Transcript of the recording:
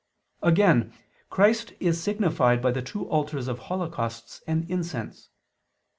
Again, Christ is signified by the two altars of holocausts and incense.